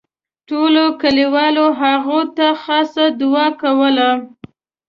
ټولو کلیوالو هغوی ته خاصه دوعا کوله.